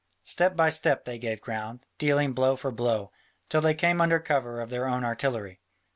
Step by step they gave ground, dealing blow for blow, till they came under cover of their own artillery.